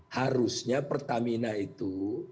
harusnya pertamina itu